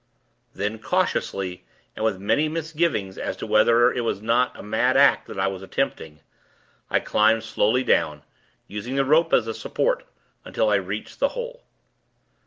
Then, cautiously, and with many misgivings as to whether it was not a mad act that I was attempting, I climbed slowly down, using the rope as a support, until I reached the hole.